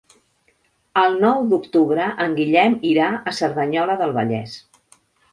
El nou d'octubre en Guillem irà a Cerdanyola del Vallès.